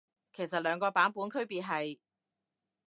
其實兩個版本區別係？